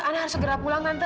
ana harus segera pulang tante